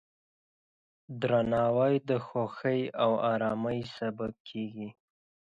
درناوی د خوښۍ او ارامۍ سبب کېږي.